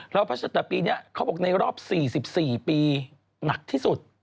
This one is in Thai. แล้วพระศัตริย์ปีนี้ในรอบ๔๔ปีหนักที่สุด